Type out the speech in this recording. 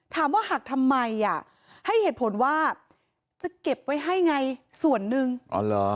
ถามว่าหักทำไมอ่ะให้เหตุผลว่าจะเก็บไว้ให้ไงส่วนหนึ่งอ๋อเหรอ